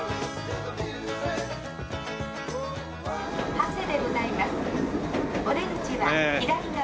「長谷でございます」ねえ。